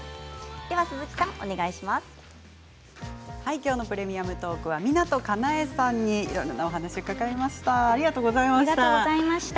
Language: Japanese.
きょうの「プレミアムトーク」は湊かなえさんにお話を伺いました。